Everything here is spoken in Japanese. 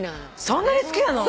そんなに好きなの！？